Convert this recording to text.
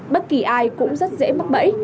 bất kỳ ai cũng rất dễ mắc bẫy